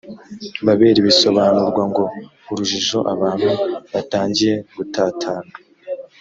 babeli bisobanurwa ngo urujijo abantu batangiye gutatana